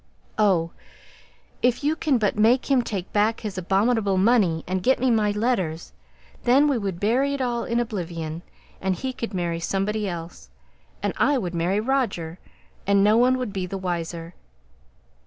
Oh! if you can but make him take back his abominable money, and get me my letters! Then we would bury it all in oblivion, and he could marry somebody else, and I would marry Roger, and no one would be the wiser.